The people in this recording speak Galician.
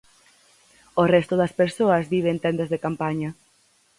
O resto das persoas vive en tendas de campaña.